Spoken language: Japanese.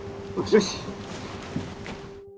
よし！